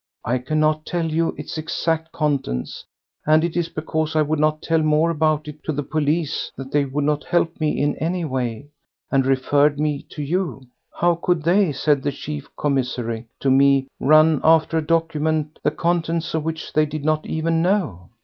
I cannot tell you its exact contents, and it is because I would not tell more about it to the police that they would not help me in any way, and referred me to you. How could they, said the chief Commissary to me, run after a document the contents of which they did not even know?